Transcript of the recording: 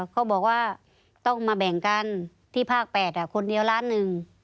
เขาบอกว่าต้องมาแบ่งกันที่ภาค๘คนเดียวล้านหนึ่ง